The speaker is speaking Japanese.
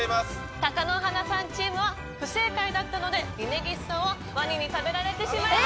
貴乃花さんチームは不正解だったので、峯岸さんはワニに食べられてしまいます。